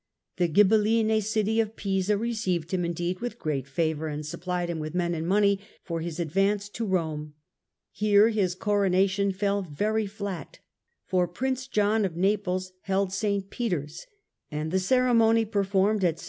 The GhibelHne city of Pisa received him indeed with great favour and sup phed him with men and money for his advance to Rome. Here his coronation fell very flat, for Prince John of Coronation Naples held St. Peter's, and the ceremony performed atvii.